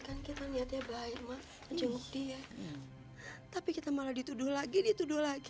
kan kita lihat ya baik maju dia tapi kita malah dituduh lagi dituduh lagi